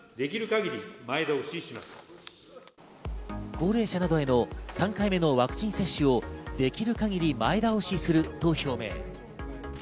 高齢者などへの３回目のワクチン接種をできる限り前倒しすると表明。